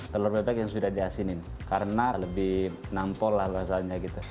telur bebek yang sudah diasinin karena lebih nampol lah rasanya gitu